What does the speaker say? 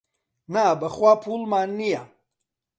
نا بەخوا پووڵمان نییە.